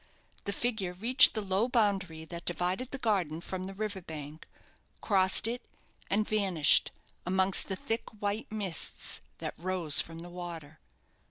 The figure reached the low boundary that divided the garden from the river bank, crossed it, and vanished amongst the thick white mists that rose from the water.